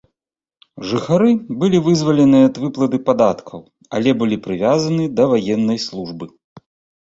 Жыхары былі вызвалены ад выплаты падаткаў, але былі прывязаны да ваеннай службы.